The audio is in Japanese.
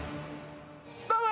どうも。